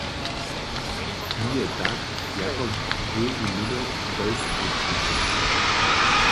Mi je, tak, jako by wón hnydom do jstwy přišoł.